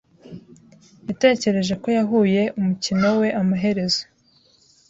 Yatekereje ko yahuye umukino we amaherezo.